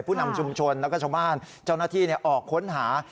ผู้นำชุมชนแล้วก็ชาวบ้านเจ้าหน้าที่ออกค้นหา